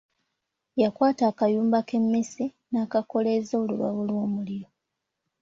Yakwata akayumba k’emmese n’akakoleeza olubabu lw’omuliro.